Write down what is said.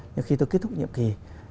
nhưng khi tôi kết thúc nhiệm kỳ